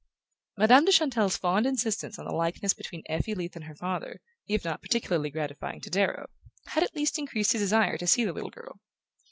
Madame de Chantelle's fond insistence on the likeness between Effie Leath and her father, if not particularly gratifying to Darrow, had at least increased his desire to see the little girl.